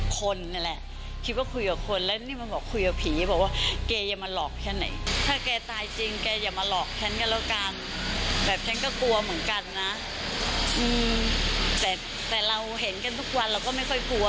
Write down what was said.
ฉันก็กลัวเหมือนกันนะแต่เราเห็นกันทุกวันเราก็ไม่ค่อยกลัว